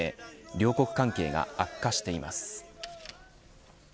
両国関係が悪化しています。